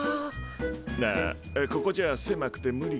ああここじゃせまくて無理か。